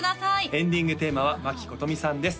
エンディングテーマは真木ことみさんです